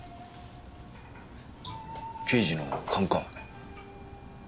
刑事の勘か？